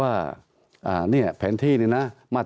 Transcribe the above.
ตั้งแต่เริ่มมีเรื่องแล้ว